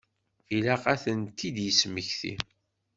Ilaq ad tent-id-yesmekti.